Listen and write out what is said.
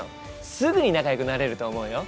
すぐに仲よくなれると思うよ！